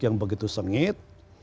yang begitu sengit